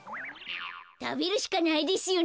たべるしかないですよね。